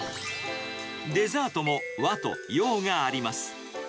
デザートも和と洋があります。